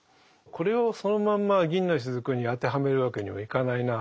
これをそのまんま「銀の滴」に当てはめるわけにはいかないな。